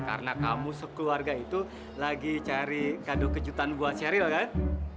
karena kamu sekeluarga itu lagi cari kado kejutan buat sherry loh kan